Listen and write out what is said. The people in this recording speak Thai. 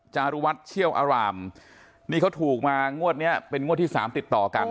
จารุวัฒน์เชี่ยวอารามนี่เขาถูกมางวดเนี้ยเป็นงวดที่สามติดต่อกัน